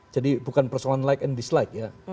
jadi bukan persoalan like and dislike ya